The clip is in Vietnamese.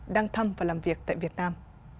đang thăm và làm việc tại việt nam